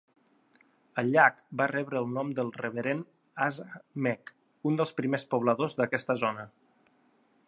El llac va rebre el nom del Reverend Asa Meech, un dels primers pobladors d'aquesta zona.